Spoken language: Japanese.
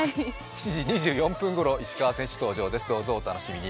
７時２４分ごろ石川選手、登場です、お楽しみに。